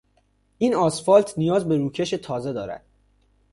این اسفالت نیاز به روکش تازه دارد.